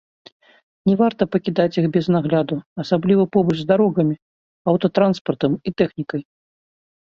Не варта пакідаць іх без нагляду, асабліва побач з дарогамі, аўтатранспартам і тэхнікай.